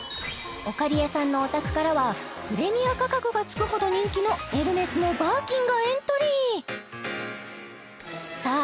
おかりえさんのお宅からはプレミア価格が付くほど人気のエルメスのバーキンがエントリーさあ